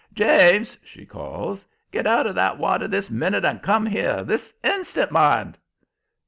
"James," she calls, "get out of that water this minute and come here! This instant, mind!"